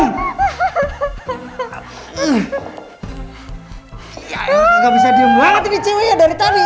gak bisa diem banget ini ceweknya dari tadi